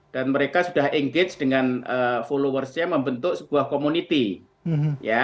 dan mereka sudah engage dengan followersnya membentuk sebuah community